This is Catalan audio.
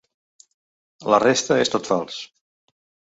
La resta és tot fals.